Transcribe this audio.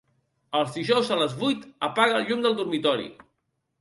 Els dijous a les vuit apaga el llum del dormitori.